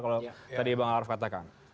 kalau tadi bang alaf katakan